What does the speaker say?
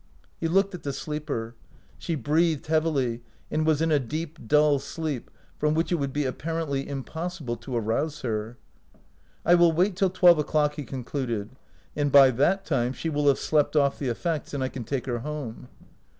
He looked at the sleeper ; she breathed heavily, and was in a deep, dull sleep, from which it would be apparently impossible to arouse her. " I will wait till twelve o'clock," he con cluded, "and by that time she will have slept off the effects, and I can take her home."